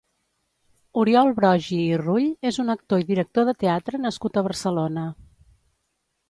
Oriol Broggi i Rull és un actor i director de teatre nascut a Barcelona.